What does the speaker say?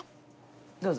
どうぞ。